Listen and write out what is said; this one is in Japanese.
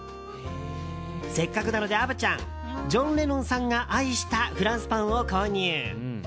せっかくなので、虻ちゃんジョン・レノンさんが愛したフランスパンを購入。